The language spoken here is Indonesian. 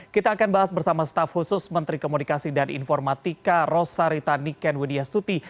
kita akan bahas bersama staff khusus menteri komunikasi dan informatika rosarita niken widya stuti